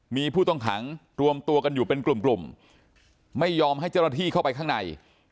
มีผู้ต้องขังรวมตัวกันอยู่เป็นกลุ่มกลุ่มไม่ยอมให้เจ้าหน้าที่เข้าไปข้างใน